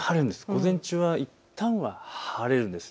午前中はいったんは晴れるんです。